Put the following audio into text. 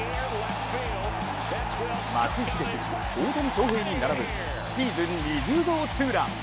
松井秀喜、大谷翔平に並ぶシーズン２０号ツーラン。